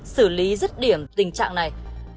xử lý rứt điểm tình trạng này